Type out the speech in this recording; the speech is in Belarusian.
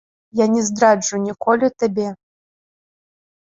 Я не здраджу ніколі табе.